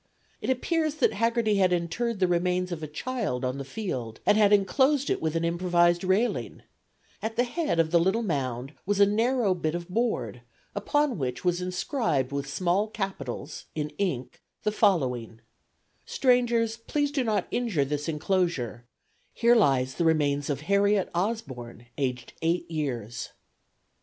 It appears that Haggerty had interred the remains of a child on the field and had enclosed it with an improvised railing. At the head of the little mound was a narrow bit of board, upon which was inscribed with small capitals in ink the following: Strangers Here lies the remains of please do not Harriet Osborn, injure this aged 8 years. inclosure.